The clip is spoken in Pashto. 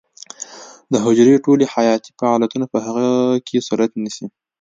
د حجرې ټول حیاتي فعالیتونه په هغې کې صورت نیسي.